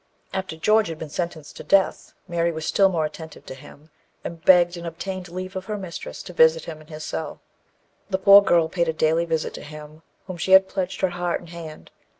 After George had been sentenced to death, Mary was still more attentive to him, and begged and obtained leave of her mistress to visit him in his cell. The poor girl paid a daily visit to him to whom she had pledged her heart and hand.